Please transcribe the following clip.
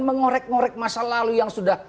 mengorek ngorek masa lalu yang sudah